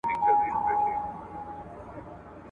زه اوږده وخت د ښوونځی لپاره تياری کوم!.